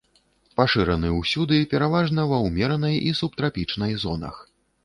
Пашыраны ўсюды, пераважна ва ўмеранай і субтрапічнай зонах.